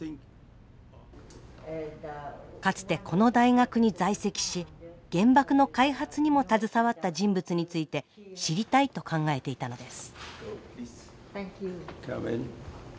かつてこの大学に在籍し原爆の開発にも携わった人物について知りたいと考えていたのです。